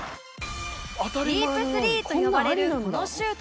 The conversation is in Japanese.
ディープスリーと呼ばれるこのシュート